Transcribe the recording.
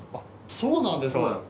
そうなんです。